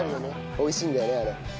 美味しいんだよねあれ。